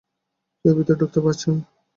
কেউ ভেতরে ঢুকতে পারছে না।